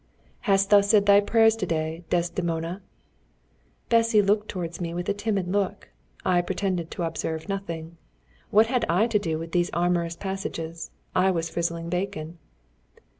"Hast thou said thy prayers to day, Desdemona?" Bessy looked towards me with a timid look. I pretended to observe nothing. What had I to do with these amorous passages? I was frizzling bacon.